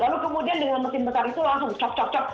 lalu kemudian dengan mesin besar itu langsung chop chop chop